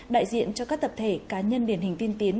đại diện cho các tập thể cá nhân điển hình tiên tiến